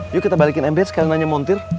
yuk kita balikin ember sekali nanya montir